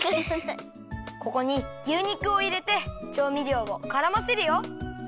ここに牛肉をいれてちょうみりょうをからませるよ。